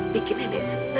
bikin nene senang